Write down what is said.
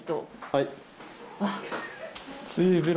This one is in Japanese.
はい。